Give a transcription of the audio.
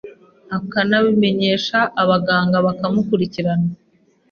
akanabimenyesha abaganga bakamukurikirana